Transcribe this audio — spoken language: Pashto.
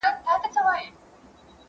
چي پر غولي د ماتم ووايی ساندي !.